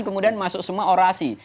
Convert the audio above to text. kemudian masuk semua orasi